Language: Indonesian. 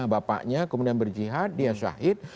bapaknya kemudian berjihad dia syahid